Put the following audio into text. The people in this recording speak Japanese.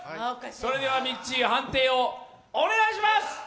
それではミッチー判定をお願いします。